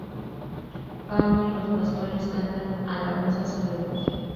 Fauno y los pastores cantan alabanzas a Venus.